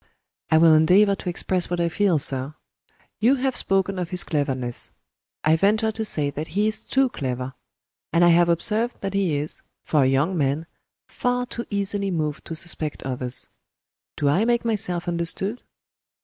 "I will endeavor to express what I feel, sir. You have spoken of his cleverness. I venture to say that he is too clever And I have observed that he is for a young man far too easily moved to suspect others. Do I make myself understood?"